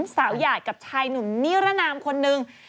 สาวหยาดกับชายหนุ่มนิรนามคนนึง